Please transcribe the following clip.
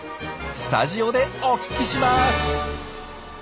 スタジオでお聞きします。